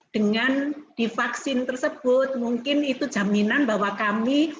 dengan divaksin tersebut mungkin itu jaminan bahwa kami